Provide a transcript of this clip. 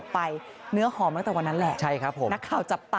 แหมก็จริงภูมิใจไทยก็เริ่มเนื้อหอม